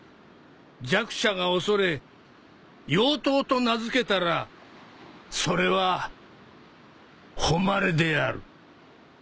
弱者がおそれ妖刀と名付けたらそれは誉れである